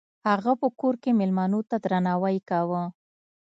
هغه په کور کې میلمنو ته درناوی کاوه.